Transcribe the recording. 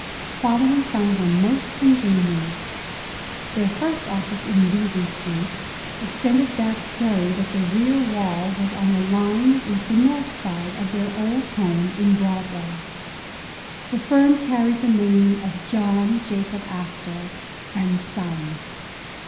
\/ Father and son were most congenial. Their first office in Vesey Street, extended back so that the rear wall was on the line with the north side of their old Jiome in Broadway'. The firm carried the name of "John Jacob Astor and Son".